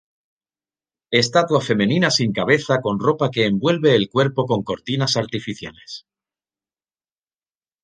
Estatua femenina sin cabeza con ropa que envuelve el cuerpo con cortinas artificiales.